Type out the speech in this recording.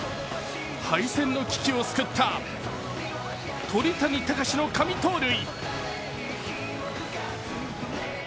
敗戦の危機を救った鳥谷敬の神盗塁。